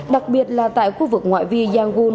đặc biệt là tại khu vực ngoại vi yangon